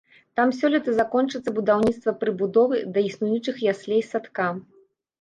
Там сёлета закончыцца будаўніцтва прыбудовы да існуючых яслей-садка.